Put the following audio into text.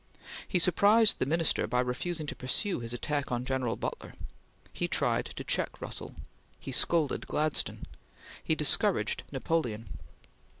He surprised the Minister by refusing to pursue his attack on General Butler. He tried to check Russell. He scolded Gladstone. He discouraged Napoleon.